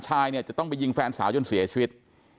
ชายเนี่ยจะต้องไปยิงแฟนสาวจนเสียชีวิต